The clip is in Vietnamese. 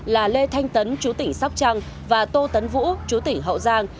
là lê thanh tấn chú tỉnh sóc trăng và tô tấn vũ chú tỉnh hậu giang